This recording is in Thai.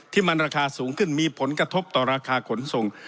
ที่มันราคาสูงขึ้นมีผลกระทบต่อราคาขนส่ง